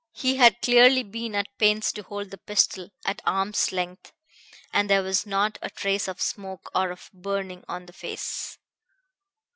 He had clearly been at pains to hold the pistol at arm's length, and there was not a trace of smoke or of burning on the face.